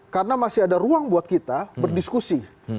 karena masih ada ruang buat kita berdiskusi